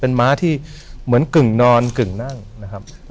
ม้าที่เหมือนกึ่งนอนกึ่งนั่งนะครับ